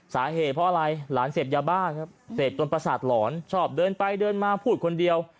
สาเหตุเพราะอะไรหลานเสพยาบ้าครับเสพจนประสาทหลอนชอบเดินไปเดินมาพูดคนเดียว